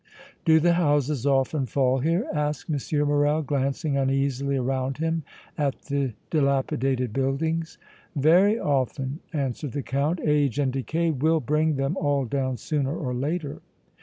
"Do the houses often fall here?" asked M. Morrel, glancing uneasily around him at the dilapidated buildings. "Very often," answered the Count. "Age and decay will bring them all down sooner or later."